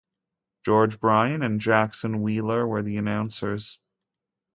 George Bryan and Jackson Wheeler were the announcers.